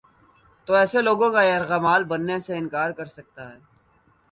تو ایسے لوگوں کا یرغمال بننے سے انکار کر سکتا ہے۔